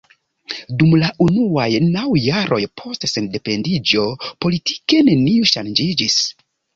Dum la unuaj naŭ jaroj post sendependiĝo politike nenio ŝanĝiĝis.